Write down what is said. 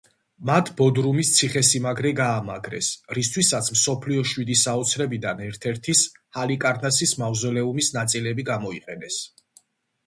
მათ ბოდრუმის ციხე-სიმაგრე გაამაგრეს, რისთვისაც მსოფლიოს შვიდი საოცრებიდან ერთ-ერთის ჰალიკარნასის მავზოლეუმის ნაწილები გამოიყენეს.